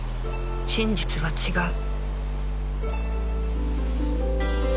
真実は違う